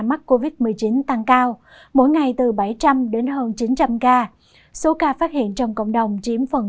mắc covid một mươi chín tăng cao mỗi ngày từ bảy trăm linh đến hơn chín trăm linh ca số ca phát hiện trong cộng đồng chiếm phần